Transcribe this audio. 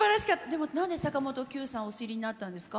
でも、なんで坂本九さんをお知りになったんですか？